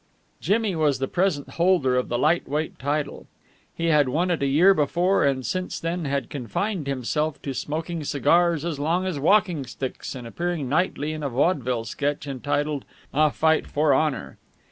Jimmy was the present holder of the light weight title. He had won it a year before, and since then had confined himself to smoking cigars as long as walking sticks and appearing nightly in a vaudeville sketch entitled, "A Fight for Honor."